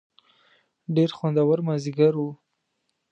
ډېر خوندور مازیګر و.